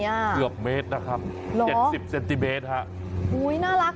เกือบเมตรนะครับ๗๐เซนติเมตรครับ